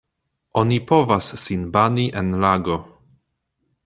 Oni povas sin bani en lago.